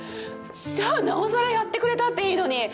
じゃあなおさらやってくれたっていいのに！